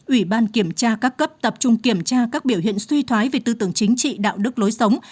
ủy ban kiểm tra các cấp tập trung kiểm tra các biểu hiện suy thoái về tư tưởng chính trị đạo đức lối sống